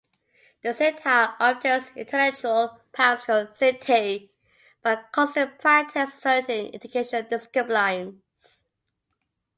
A siddha obtains intellectual powers called "siddhi" by constant practice of certain educational disciplines.